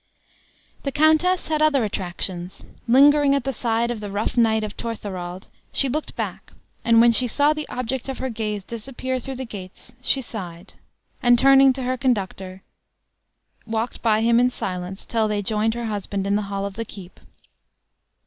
The countess had other attractions: lingering at the side of the rough knight of Torthorald, she looked back, and when she saw the object of her gaze disappear through the gates, she sighed, and turning to her conductor, walked by him in silence till they joined her husband in the hall of the keep.